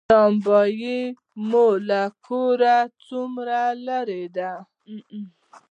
نان بایی مو له کوره څومره لری ده؟